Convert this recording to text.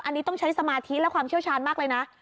อันนี้ต้องใช้สมาธิและความเชี่ยวชาญมากเลยนะ